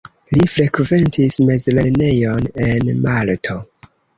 Li frekventis mezlernejon en Malto.